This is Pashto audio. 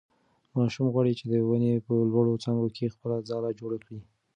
ماشوم غواړي چې د ونې په لوړو څانګو کې خپله ځاله جوړه کړي.